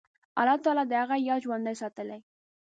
الله تعالی د هغه یاد ژوندی ساتلی.